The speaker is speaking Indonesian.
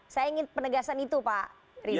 saya ingin penegasan itu pak riza